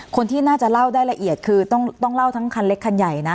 คนที่น่าจะเล่าได้ละเอียดคือต้องเล่าทั้งคันเล็กคันใหญ่นะ